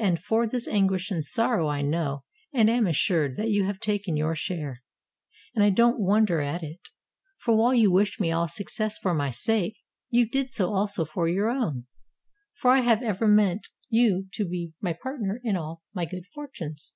And for this anguish and sorrow I know and am assured that you have taken your share. And I don't wonder at it ! for while you wished me all success for my sake, you did so also for your own; for I have ever meant you to be my partner in all my good fortunes.